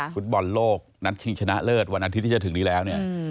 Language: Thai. ฟุตบอลโลกนัดชิงชนะเลิศวันอาทิตย์ที่จะถึงนี้แล้วเนี่ย